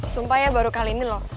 sumpah ya baru kali ini loh